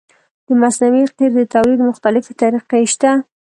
د مصنوعي قیر د تولید مختلفې طریقې شته